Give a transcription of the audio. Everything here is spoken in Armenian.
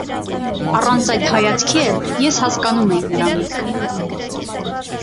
Առանց այդ հայացքի էլ ես հասկանում էի նրա միտքը: